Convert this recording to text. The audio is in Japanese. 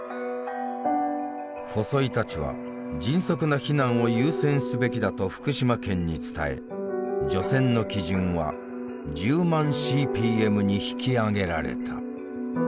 細井たちは「迅速な避難」を優先すべきだと福島県に伝え除染の基準は１０万ＣＰＭに引き上げられた。